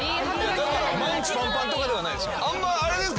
だから毎日パンパンとかではないですよね？